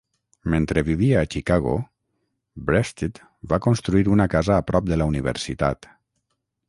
Mentre vivia a Chicago, Breasted va construir una casa a prop de la universitat.